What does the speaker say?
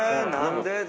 何で？